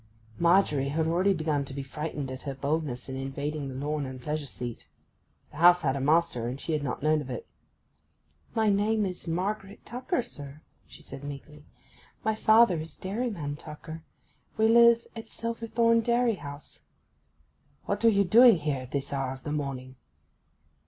Margery had already begun to be frightened at her boldness in invading the lawn and pleasure seat. The house had a master, and she had not known of it. 'My name is Margaret Tucker, sir,' she said meekly. 'My father is Dairyman Tucker. We live at Silverthorn Dairy house.' 'What were you doing here at this hour of the morning?